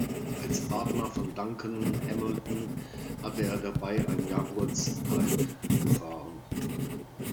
Als Partner von Duncan Hamilton hatte er dabei einen Jaguar C-Type gefahren.